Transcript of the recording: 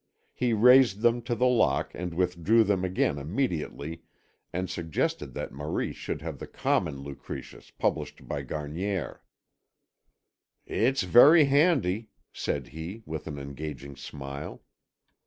He raised them to the lock and withdrew them again immediately and suggested that Maurice should have the common Lucretius published by Garnier. "It's very handy," said he with an engaging smile.